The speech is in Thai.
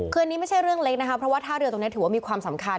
คืออันนี้ไม่ใช่เรื่องเล็กนะคะเพราะว่าท่าเรือตรงนี้ถือว่ามีความสำคัญ